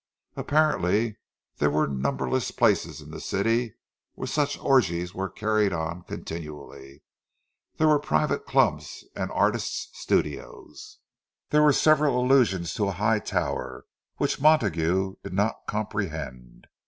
—Apparently there were numberless places in the city where such orgies were carried on continually; there were private clubs, and artists' "studios"—there were several allusions to a high tower, which Montague did not comprehend.